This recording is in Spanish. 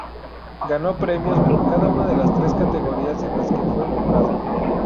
Ganó premios por cada una de las tres categorías en las que fue nombrado.